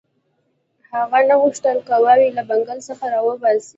هغه نه غوښتل قواوې له بنګال څخه را وباسي.